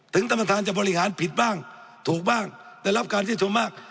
ถึงธรรมธาตุจะบริหารผิดบ้างถูกบ้างได้รับการที่ชมมาก